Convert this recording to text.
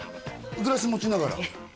グラス持ちながら？